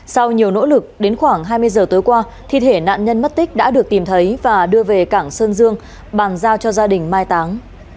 sau nhiều nỗ lực đến khoảng hai mươi giờ tối qua thi thể nạn nhân mất tích đã được tìm thấy và đưa về cảng sơn dương bàn giao cho gia đình mai táng